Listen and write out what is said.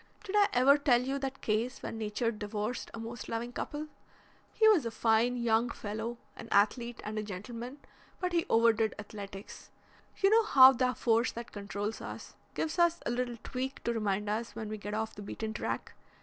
Did I ever tell you that case where Nature divorced a most loving couple? He was a fine young fellow, an athlete and a gentleman, but he overdid athletics. You know how the force that controls us gives us a little tweak to remind us when we get off the beaten track.